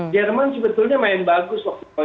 jerman sebetulnya main bagus